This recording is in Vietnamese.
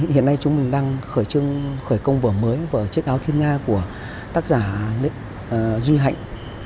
hiện nay chúng mình đang khởi công vở mới vở chiếc áo thiên nga của tác giả duy hạnh